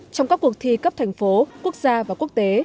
trong các cuộc thi cấp thành phố quốc gia và quốc tế